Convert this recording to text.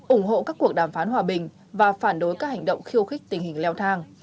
ủng hộ các cuộc đàm phán hòa bình và phản đối các hành động khiêu khích tình hình leo thang